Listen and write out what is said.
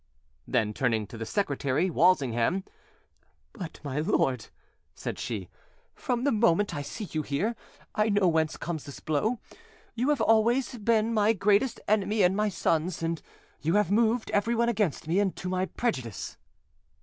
Then, turning to the secretary, Walsingham— "But, my lord," said she, "from the moment I see you here, I know whence comes this blow: you have always been my greatest enemy and my son's, and you have moved everyone against me and to my prejudice."